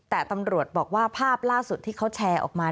แต่ตำรวจบอกว่าภาพล่าสุดที่เขาแชร์ออกมา